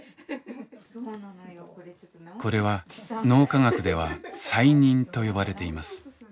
これは脳科学では再認と呼ばれています。